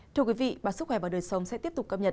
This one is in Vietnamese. thưa quý vị báo sức khỏe và đời sống sẽ tiếp tục cập nhật